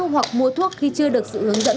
hoặc mua thuốc khi chưa được sự hướng dẫn